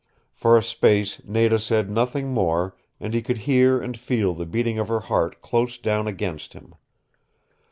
For a space Nada said nothing more, and he could hear and feel the beating of her heart close down against him.